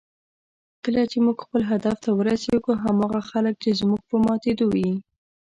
کله چې موږ خپل هدف ته ورسېږو، هماغه خلک چې زموږ په ماتېدو یې